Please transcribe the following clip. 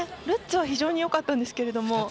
ルッツは非常によかったんですけれども。